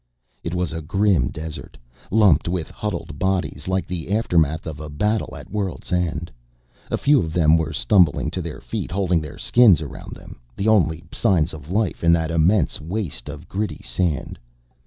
It was a grim desert, lumped with huddled bodies like the aftermath of a battle at world's end. A few of them were stumbling to their feet, holding their skins around them, the only signs of life in that immense waste of gritty sand.